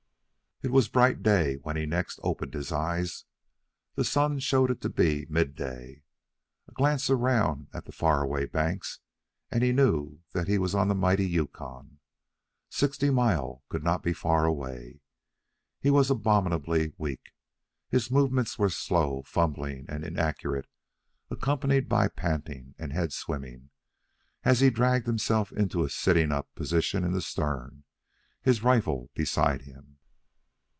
It was bright day when next he opened his eyes. The sun showed it to be midday. A glance around at the far away banks, and he knew that he was on the mighty Yukon. Sixty Mile could not be far away. He was abominably weak. His movements were slow, fumbling, and inaccurate, accompanied by panting and head swimming, as he dragged himself into a sitting up position in the stern, his rifle beside him.